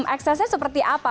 eksesnya seperti apa